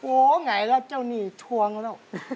โอ๊ยไงล่ะเจ้านี่ทวงแล้ว